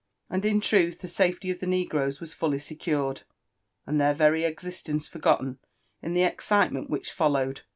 And in truth the safety of the negroes was fully secured, and their very existence forgotten in the excitement which followed.